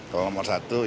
kalau nomor satu